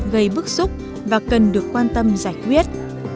gây bức xúc và cần được quan tâm giải quyết